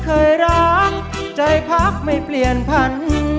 เคยร้องใจพักไม่เปลี่ยนพัน